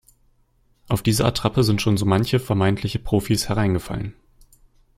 Auf diese Attrappe sind schon so manche vermeintliche Profis hereingefallen.